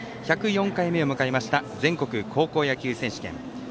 １０４回目を迎えました全国高校野球選手権。